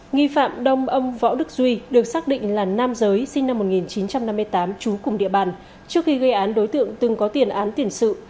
nghi phạm đông ông võ đức duy được xác định là nam giới sinh năm một nghìn chín trăm năm mươi tám trú cùng địa bàn trước khi gây án đối tượng từng có tiền án tiền sự